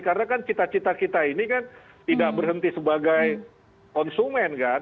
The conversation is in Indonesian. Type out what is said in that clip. karena kan cita cita kita ini kan tidak berhenti sebagai konsumen kan